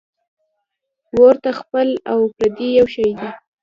ـ اور ته خپل او پردي یو شی دی .